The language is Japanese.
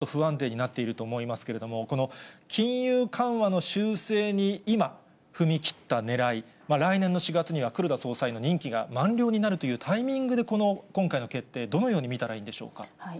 でも、こういった政策というのは、国にとってよかれと思って進めているもので、今、一時的にちょっと不安定になっていると思いますけれども、この金融緩和の修正に今、踏み切ったねらい、来年の４月には、黒田総裁の任期が満了になるというタイミングで、この今回の決定、どのように見たらいいんでしょうか。